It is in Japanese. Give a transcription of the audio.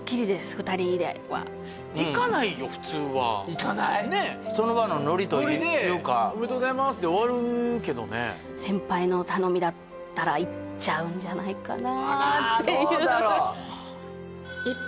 ２人では行かないよ普通は行かないその場のノリというかノリで「おめでとうございます」で終わるけどね行っちゃうんじゃないかなっていうどうだろう？